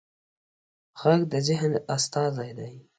غږ د ذهن استازی دی